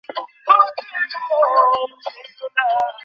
এরপর অনেক দিন আগে রপ্ত করা ভাঙা বাংলায় কথা বলা শুরু করলেন বৃদ্ধ।